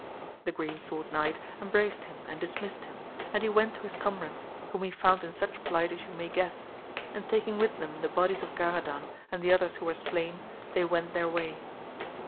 The Green Sword Knight embraced him and dismissed him, and he went to his comrades, whom he found in such plight as you may guess, and taking with them the bodies of Garadan, and the others who were slain they went their vay.